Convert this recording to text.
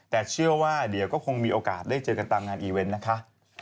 แต่เชื่อว่าเดี๋ยวก็คงมีโอกาสได้เจอกันตามงานอีเวนต์นะคะ